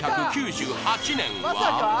１９９８年は？